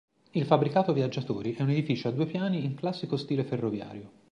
Il fabbricato viaggiatori è un edificio a due piani in classico stile ferroviario.